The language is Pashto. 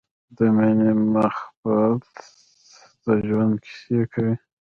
د مینې مخبت د ژوند کیسې کوی